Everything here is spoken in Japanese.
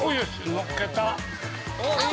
のっけた。